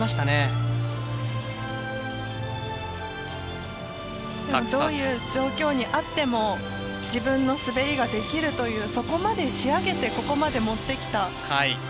でもどういう状況にあっても自分の滑りができるというそこまで仕上げてここまで持ってきた。